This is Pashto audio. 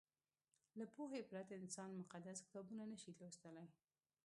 له پوهې پرته انسان مقدس کتابونه نه شي لوستلی.